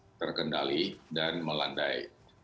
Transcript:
ini terkendali dan melandai